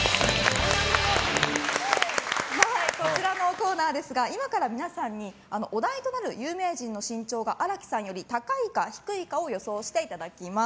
こちらのコーナーですが今から皆さんにお題となる有名人の身長が荒木さんより高いか低いかを予想していただきます。